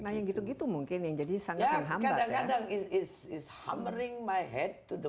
nah yang gitu begitu mungkin yang jadi sangat menghambat ya